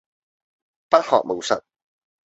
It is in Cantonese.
不學無術